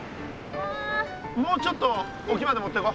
もうちょっとおきまで持ってこう。